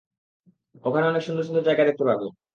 ওখানে অনেক সুন্দর সুন্দর জায়গা দেখতে পাবে।